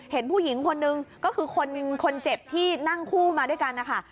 เห็นผู้หญิงคนนึงก็คือคนเจ็บที่นั่งคู่มาด้วยกันนะคะ